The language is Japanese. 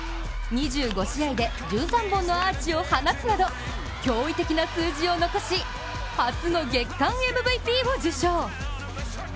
２５試合で１３本のアーチを放つなど、驚異的な数字を残し初の月間ＭＶＰを受賞。